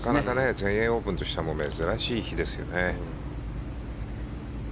全英オープンとしては珍しい日ですよね。